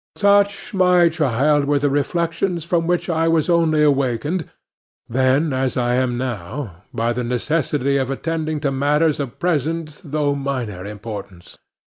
Such, my child, were the reflections from which I was only awakened then, as I am now, by the necessity of attending to matters of present though minor importance.